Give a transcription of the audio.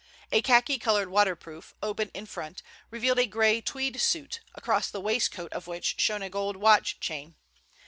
A khaki colored waterproof, open in front, revealed a gray tweed suit, across the waistcoat of which shone a gold watch chain.